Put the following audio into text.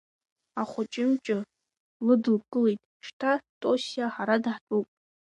Ахәыҷы-мҷы лыдылкылеит, шьҭа Тосиа ҳара даҳтәуп!